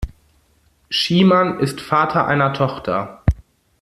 Schiemann ist Vater einer Tochter.